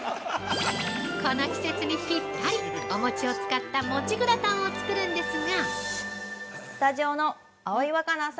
この季節にぴったり、お餅を使った餅グラタンを作るんですが。